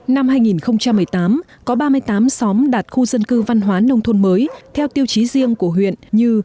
năm hai nghìn một mươi tám có ba mươi tám xóm đạt khu dân cư văn hóa nông thôn mới theo tiêu chí riêng của huyện như